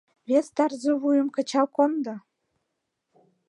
Вес Тарзывуйым кычал кондо!